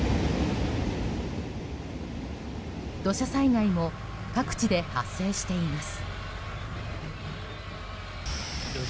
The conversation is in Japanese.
土砂災害も各地で発生しています。